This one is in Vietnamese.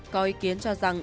có ý kiến cho rằng